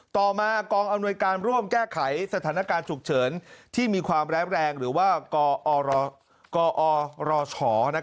ต่อมากองอำนวยการร่วมแก้ไขสถานการณ์ฉุกเฉินที่มีความแรงหรือว่ากอรช